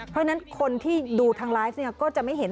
เพราะฉะนั้นคนที่ดูทางไลฟ์เนี่ยก็จะไม่เห็น